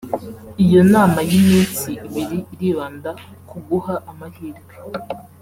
Iyo nama y’iminsi ibiri iribanda ku guha amahirwe